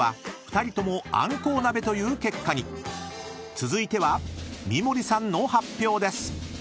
［続いては三森さんの発表です］